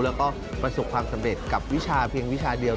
แล้วก็ประสบความสำเร็จกับวิชาเพียงวิชาเดียว